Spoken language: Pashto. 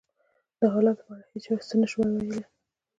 د حالاتو په اړه هېڅ چا څه نه شوای ویلای.